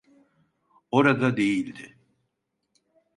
Orada değildi.